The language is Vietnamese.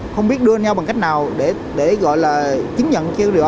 không biết đưa nhau bằng cách nào để gọi là chứng nhận